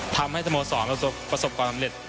ทำให้ธมศรรประสบความสำเร็จ